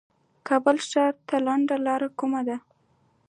کابل ښار ته لنډه لار کومه ده